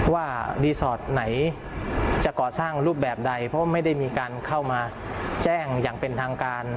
ว่ารีสอร์ทไหนจะก่อสร้างรูปแบบใดเพราะไม่ได้มีการเข้ามาแจ้งอย่างเป็นทางการ